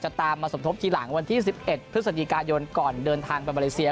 ตามมาสมทบทีหลังวันที่๑๑พฤศจิกายนก่อนเดินทางไปมาเลเซีย